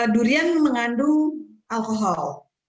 durian mengandung alkohol